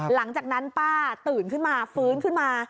หลังจากนั้นป้าตื่นขึ้นมาฟื้นขึ้นมา